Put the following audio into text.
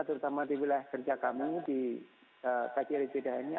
terutama di wilayah kerja kami di tjadjiritidah ini